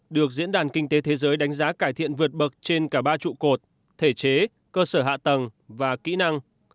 được diễn đàn kinh tế thế giới đánh giá cải thiện vượt bậc trên cả ba trụ cột thể chế cơ sở hạ tầng và kỹ năng